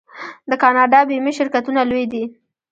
د کاناډا بیمې شرکتونه لوی دي.